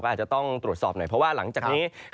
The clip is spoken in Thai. อาจจะต้องตรวจสอบหน่อยเพราะว่าหลังจากนี้